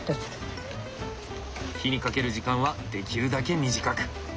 火にかける時間はできるだけ短く。